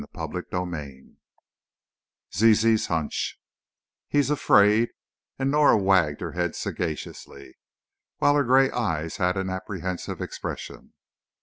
CHAPTER XVII Zizi's Hunch "He's afraid," and Norah wagged her head sagaciously, while her gray eyes had an apprehensive expression.